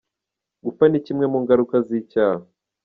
Gupfa ni imwe mu ngaruka z’icyaha.